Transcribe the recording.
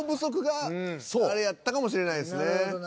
があれやったかもしれないですね。